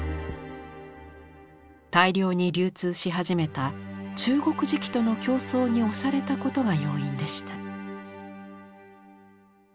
大量に流通し始めた中国磁器との競争に押されたことが要因でした。